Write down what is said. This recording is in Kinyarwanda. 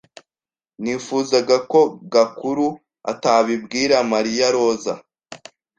Nifuzaga ko Gakuru atabibwira Mariyaroza